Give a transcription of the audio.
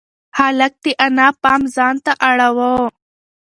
هلک د انا پام ځان ته اړاوه.